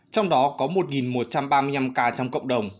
trong đó có một một trăm ba mươi năm ca trong cộng đồng